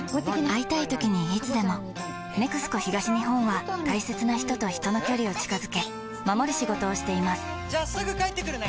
会いたいときにいつでも「ＮＥＸＣＯ東日本」は大切な人と人の距離を近づけ守る仕事をしていますじゃあすぐ帰ってくるね！